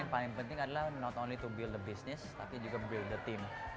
yang paling penting adalah bukan hanya membangun bisnis tapi juga membangun tim